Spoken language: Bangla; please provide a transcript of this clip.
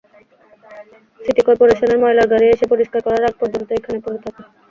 সিটি করপোরেশনের ময়লার গাড়ি এসে পরিষ্কার করার আগে পর্যন্ত এখানেই পড়ে থাকে।